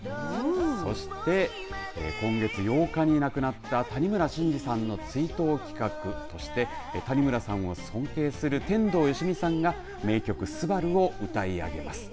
そして今月８日に亡くなった谷村新司さんの追悼企画として谷村さんを尊敬する天童よしみさんが名曲、昴を歌い上げます。